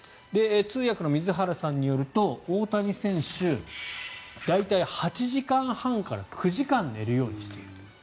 通訳の水原さんによると大谷選手は大体８時間半から９時間寝るようにしている。